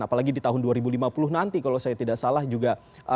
apalagi di tahun dua ribu lima puluh nanti kalau saya tidak salah juga